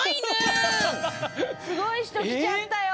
すごい人来ちゃったよ。